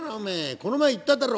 この前言っただろう！